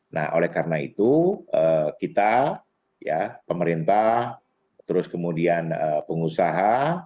nah oleh karena itu kita ya pemerintah terus kemudian pengusaha